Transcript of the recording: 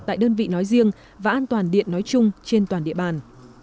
tại đơn vị nói riêng và an toàn điện nói chung trên toàn địa bàn